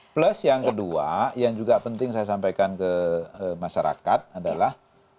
plus yang kedua yang juga penting saya sampaikan ke masyarakat adalah